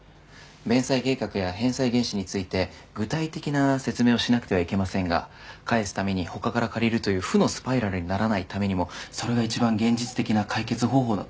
弁済計画や返済原資について具体的な説明をしなくてはいけませんが返すために他から借りるという負のスパイラルにならないためにもそれが一番現実的な解決方法だと思います。